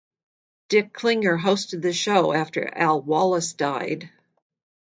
Dick Klinger hosted the show after Al Wallace died.